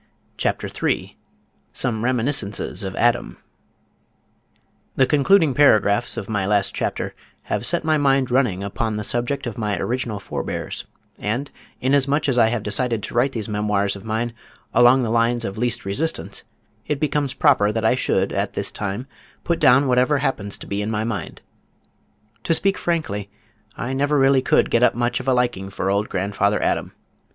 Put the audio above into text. CHAPTER III SOME REMINISCENCES OF ADAM The concluding paragraphs of my last chapter have set my mind running upon the subject of my original forebears, and inasmuch as I have decided to write these memoirs of mine along the lines of least resistance, it becomes proper that I should at this time, put down whatever happens to be in my mind. To speak frankly I never really could get up much of a liking for old grandfather Adam.